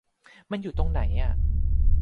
มันอยู่ตรงไหนอ่ะ